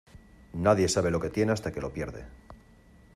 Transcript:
Nadie sabe lo que tiene hasta que lo pierde.